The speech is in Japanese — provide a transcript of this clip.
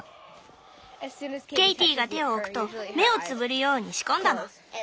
ケイティが手を置くと目をつぶるように仕込んだの。